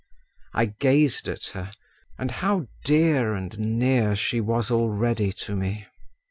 I gazed at her, and how dear and near she was already to me!